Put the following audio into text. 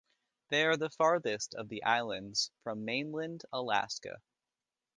They are the farthest of the islands from mainland Alaska.